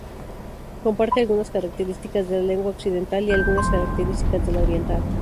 Comparte algunas características de la lengua occidental y algunas características de la oriental.